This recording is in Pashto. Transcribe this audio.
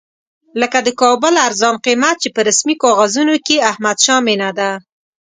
لکه د کابل ارزان قیمت چې په رسمي کاغذونو کې احمدشاه مېنه ده.